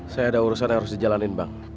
saya ada urusan yang harus dijalanin bang